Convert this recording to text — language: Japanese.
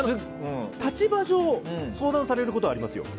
立場上相談されることはありますよ。